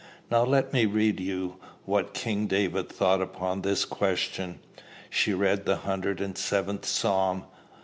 "Now let me read you what King David thought upon this question." She read the hundred and seventh Psalm.